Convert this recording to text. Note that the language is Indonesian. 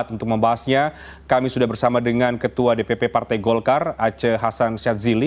untuk membahasnya kami sudah bersama dengan ketua dpp partai golkar aceh hasan syadzili